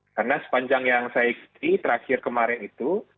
karena sepanjang yang saya ikuti terakhir kemarin itu